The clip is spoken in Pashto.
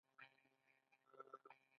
آیا یو اقتصاد چې ارزښت نلري؟